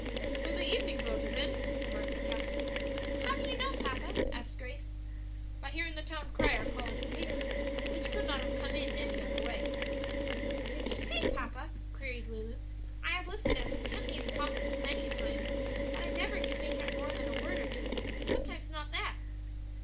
"So the evening boat is in," remarked the captain. "How do you know, papa?" asked Grace. "By hearing the town crier calling his papers; which could not have come in any other way." "What does he say, papa?" queried Lulu. "I have listened as intently as possible many a time, but I never can make out more than a word or two, sometimes not that."